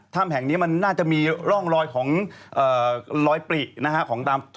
ถ้ามแห่งนี้มันน่าจะมีร่องรอยของรอยปลินะครับ